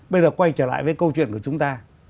bây giờ quay trở lại với câu chuyện của chúng ta